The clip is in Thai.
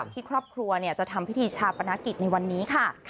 ที่ครอบครัวจะทำพิธีชาปนกิจในวันนี้ค่ะ